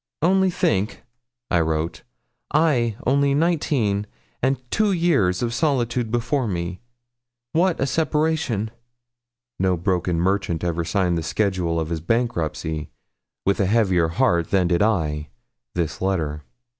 'Only think,' I wrote, 'I only nineteen, and two years of solitude before me. What a separation!' No broken merchant ever signed the schedule of his bankruptcy with a heavier heart than did I this letter.